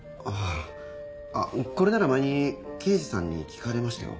あぁこれなら前に刑事さんに聞かれましたよ。